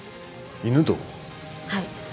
はい。